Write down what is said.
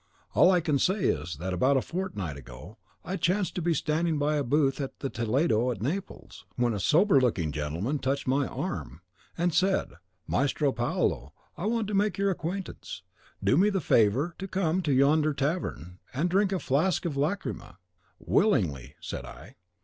All I can say is, that about a fortnight ago I chanced to be standing by a booth in the Toledo at Naples, when a sober looking gentleman touched me by the arm, and said, 'Maestro Paolo, I want to make your acquaintance; do me the favour to come into yonder tavern, and drink a flask of lacrima.' 'Willingly,' said I.